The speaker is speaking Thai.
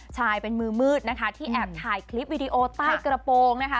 ใช่เป็นมือมืดนะคะที่แอบถ่ายคลิปวิดีโอใต้กระโปรงนะคะ